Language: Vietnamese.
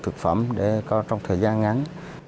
thực phẩm để có trong thời gian ngắn